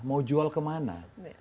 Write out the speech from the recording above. mau jual kemana